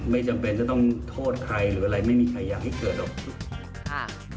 ไม่จำเป็นจะต้องโทษใครหรืออะไรไม่มีใครอยากให้เกิดหรอก